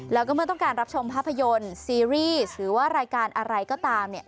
แล้วก็เมื่อต้องการรับชมภาพยนตร์ซีรีส์หรือว่ารายการอะไรก็ตามเนี่ย